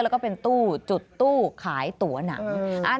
แล้วก็เป็นตู้จุดตู้ขายตัวหนัง